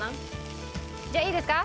じゃあいいですか？